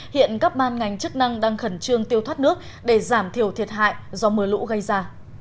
hiện các ban ngành chức năng đang khẩn trương tiêu thoát nước để giảm thiểu thiệt hại do mưa lũ gây ra